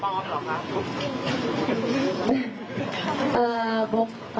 ไม่ได้ถึงขนาดนั้นค่ะ